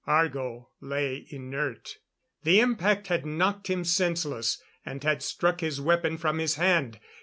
Argo lay inert. The impact had knocked him senseless, and had struck his weapon from his hand.